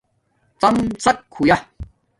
ڎم ڎک ہویݳ